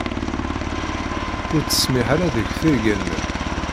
Ur ttsemmiḥ ara deg tirga-nnem.